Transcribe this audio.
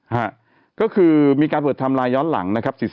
ฮะก็คือมีการเปิดไทม์ไลน์ย้อนหลังนะครับ